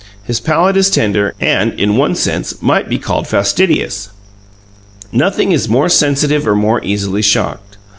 His palate is tender, and, in one sense, might be called fastidious; nothing is more sensitive or more easily shocked.